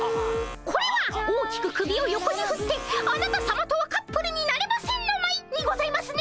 これは大きく首を横にふってあなたさまとはカップルになれませんのまいにございますね。